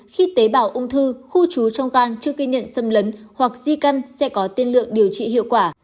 khi tế bào ung thư khu chú trong can chưa ghi nhận xâm lấn hoặc di căn sẽ có tiên lượng điều trị hiệu quả